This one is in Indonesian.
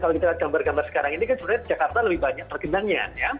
kalau kita lihat gambar gambar sekarang ini kan sebenarnya jakarta lebih banyak pergendangnya